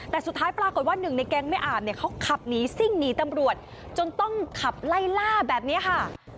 แต่สุดท้ายปรากฏว่าหนึ่งในแก๊งแม่อาบเนี่ยเขาขับหนีซิ่งหนีตำรวจจนต้องขับไล่ล่าแบบนี้ค่ะ